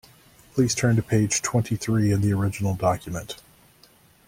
Please turn to page twenty-three in the original document